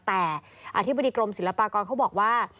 แต่อธิบดีกรมศิลปากรเขาบอกว่า